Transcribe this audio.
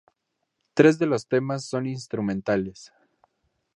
Tres de los temas son instrumentales.